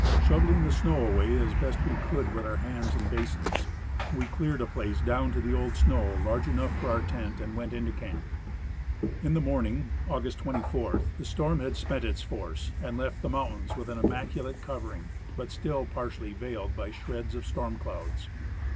Shoveling the snow away as best we could with our hands and Second Attempt to scale St. Elias. 153 basins, we cleared a place down to the old snow large enough for our tent and went into camp. In the morning, August 24, the storm had spent its force and left the mountains with an immaculate covering, but still par tially veiled by shreds of storm clouds.